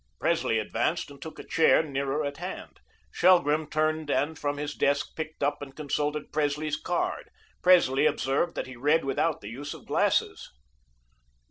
Presley advanced and took a chair nearer at hand. Shelgrim turned and from his desk picked up and consulted Presley's card. Presley observed that he read without the use of glasses.